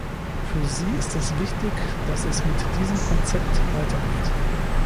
Für sie ist es wichtig, dass es mit diesem Konzept weitergeht.